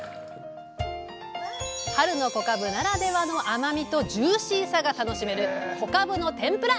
春の小かぶならではの甘みとジューシーさが楽しめる「小かぶの天ぷら」